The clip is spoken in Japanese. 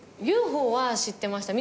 ＵＦＯは知ってました。